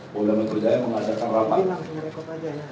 pemudaman kerjaya mengajarkan rapat